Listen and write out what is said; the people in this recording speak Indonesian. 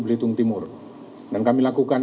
belitung timur dan kami lakukan